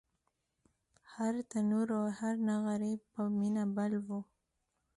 هر تنور او هر نغری په مینه بل و